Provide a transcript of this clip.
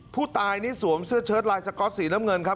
ผู้ตายนี่สวมเสื้อเชิดลายสก๊อตสีน้ำเงินครับ